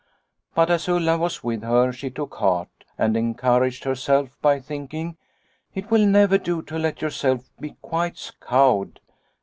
" But as Ulla was with her she took heart and encouraged herself by thinking, ' It will never do to let yourself be quite cowed.